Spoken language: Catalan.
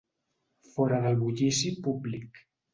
Fora del bullici públic